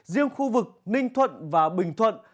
riêng khu vực ninh thuận và bình thuận